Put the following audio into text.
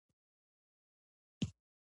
هغه د غلامۍ او توکميز تعصب ښکار و.